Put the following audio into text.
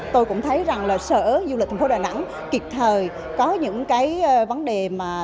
tôi cũng thấy rằng sở du lịch thành phố đà nẵng kịp thời có những vấn đề